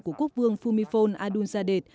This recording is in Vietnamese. của quốc vương phumifol adulzadej